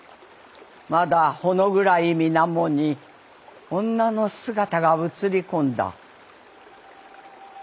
まだほの暗い水面に女の姿が映り込んだ」。